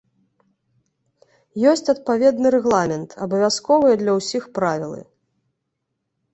Ёсць адпаведны рэгламент, абавязковыя для ўсіх правілы.